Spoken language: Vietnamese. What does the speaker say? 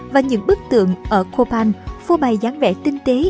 và những bức tượng ở copan phô bày dáng vẽ tinh tế